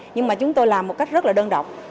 nhưng mà chúng tôi làm một cách rất là đơn độc